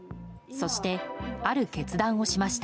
そして、ある決断をしました。